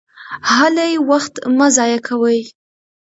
هلئ! وخت مه ضایع کوئ!